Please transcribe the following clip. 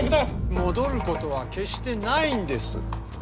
戻ることは決してないんです。